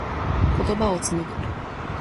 言葉を紡ぐ。